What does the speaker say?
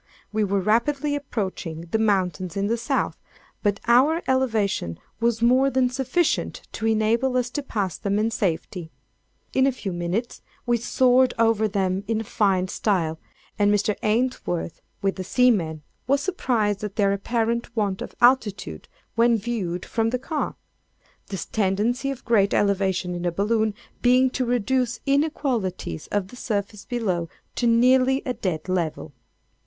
We were rapidly approaching the mountains in the South; but our elevation was more than sufficient to enable us to pass them in safety. In a few minutes we soared over them in fine style; and Mr. Ainsworth, with the seamen, was surprised at their apparent want of altitude when viewed from the car, the tendency of great elevation in a balloon being to reduce inequalities of the surface below, to nearly a dead level.